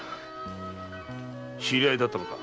知り合いだったのか。